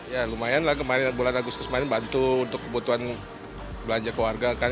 ya lumayan lah kemarin bulan agustus kemarin bantu untuk kebutuhan belanja keluarga kan